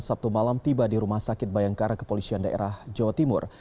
sabtu malam tiba di rumah sakit bayangkara kepolisian daerah jawa timur